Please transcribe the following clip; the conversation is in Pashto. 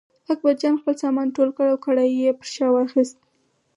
اکبرجان خپل سامان ټول کړ او کړایی یې پر شا واخیست.